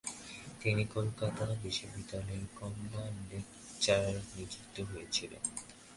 তিনি কলকাতা বিশ্ববিদ্যালয়ের কমলা লেকচারার নিযুক্ত হয়েছিলেন।